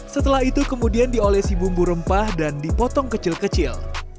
setelah itu kemudian diolesi bumbu rempah dan dipotong kecil kecil